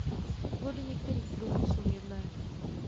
Plody některých druhů jsou jedlé.